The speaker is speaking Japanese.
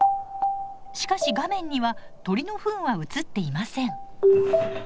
しかし画面には鳥のふんは映っていません。